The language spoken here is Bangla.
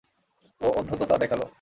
ও উদ্ধততা দেখালো।